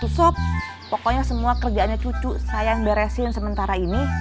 sop pokoknya semua kerjaannya cucu saya yang beresin sementara ini